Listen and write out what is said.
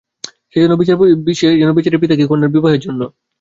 সেইজন্য বেচারী পিতাকে কন্যার বিবাহের জন্য অনেক সময় ভিখারী হইয়া যাইতে হয়।